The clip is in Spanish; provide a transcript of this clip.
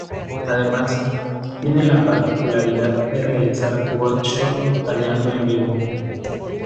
Además, tiene la particularidad de realizar Workshops tallando en vivo.